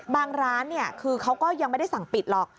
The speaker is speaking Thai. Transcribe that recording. ร้านคือเขาก็ยังไม่ได้สั่งปิดหรอก